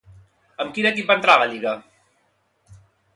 Amb quin equip va entrar a la lliga?